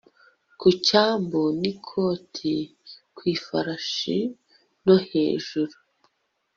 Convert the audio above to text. Ku cyambu nikoti ku ifarashi no hejuru